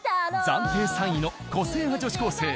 暫定３位の個性派女子高生